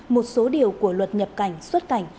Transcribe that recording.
một số điều của luật nhập cảnh xuất cảnh